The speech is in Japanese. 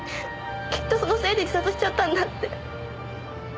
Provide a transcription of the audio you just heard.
きっとそのせいで自殺しちゃったんだって。